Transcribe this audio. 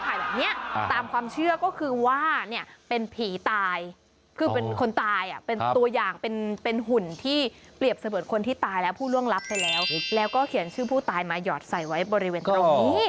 แบบนี้ตามความเชื่อก็คือว่าเนี่ยเป็นผีตายคือเป็นคนตายอ่ะเป็นตัวอย่างเป็นหุ่นที่เปรียบเสมือนคนที่ตายและผู้ล่วงลับไปแล้วแล้วก็เขียนชื่อผู้ตายมาหยอดใส่ไว้บริเวณตรงนี้